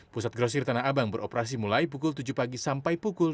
pusat grosir tanah abang beroperasi mulai pukul tujuh pagi sampai pukul